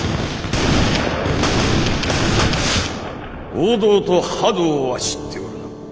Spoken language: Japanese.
王道と覇道は知っておるな。